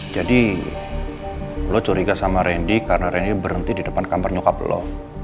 jadi lo curiga sama randy karena randy berhenti di depan kamar nyokap lo